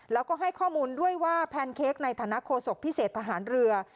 แล้วก็ให้ข้อมูลด้วยว่าแพนเค้กในฐานะโฆษกพิเศษทหารเรือ